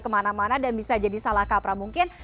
kemana mana dan bisa jadi salah kaprah mungkin